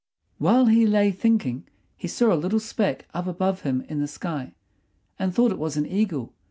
While he lay thinking, he saw a little speck up above him in the sky, and thought it was an eagle.